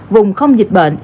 vùng không dịch bệnh